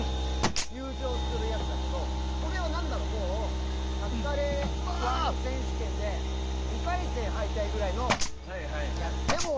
優勝するやつだけど俺は、何だろうカツカレー選手権で２回戦敗退ぐらいのやつ。